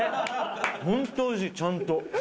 ホントおいしいちゃんと。